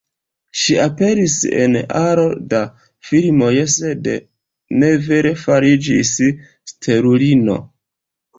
Ŝi aperis en aro da filmoj, sed ne vere fariĝis stelulino.